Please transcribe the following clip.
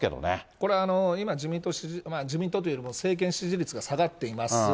これ、今自民党、自民党というよりも、政権支持率が下がっています。